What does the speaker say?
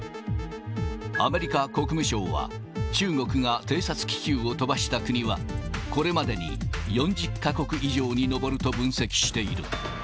アメリカ国務省は、中国が偵察気球を飛ばした国は、これまでに４０か国以上に上ると分析している。